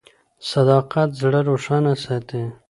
صداقت زړه روښانه ساتي.